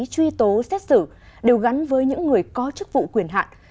truy tố xét xử đều gắn với những người có chức vụ quyền hạn